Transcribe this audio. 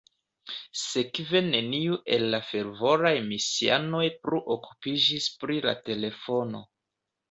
Sekve neniu el la fervoraj misianoj plu okupiĝis pri la telefono.